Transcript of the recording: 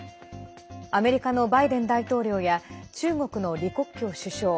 アメリカのバイデン大統領や中国の李克強首相